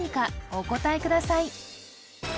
お答えください